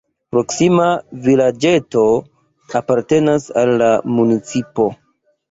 Proksima vilaĝeto apartenas al la municipo.